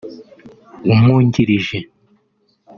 umwungirije